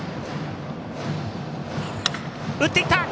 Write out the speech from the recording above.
打っていった！